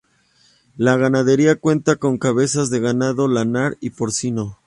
La ganadería cuenta con cabezas de ganado lanar y porcino.